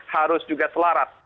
harus juga selaras